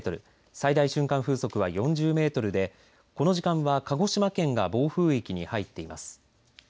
最大瞬間風速は４０メートルでこの時間は鹿児島県が暴風域に入っています。